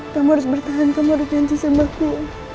kamu harus bertahan kamu harus janji sama aku